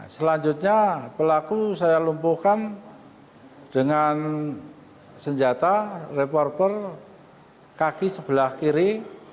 selanjutnya pelaku saya lumpuhkan dengan senjata reporter kaki sebelah kiri